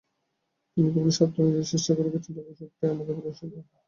তিনি কেবলই সাধ্য অনুযায়ী চেষ্টা করে গেছেন, বাকি সবটাই মানুষের ভালোবাসার দান।